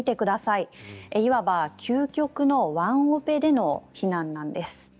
いわば究極のワンオペでの避難なんです。